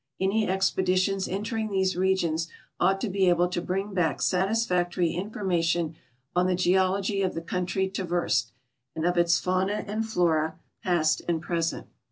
Any expeditions entering these regions ought to be able to bring back satisfactory information on the geology of the country traversed, and of its fauna and flora, past and present.